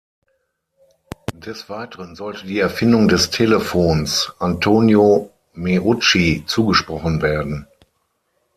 Des Weiteren sollte die Erfindung des Telefons Antonio Meucci zugesprochen werden.